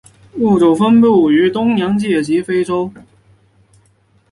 物种分布于东洋界及非洲。